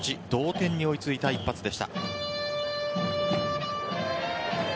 同点に追いついた一発でした。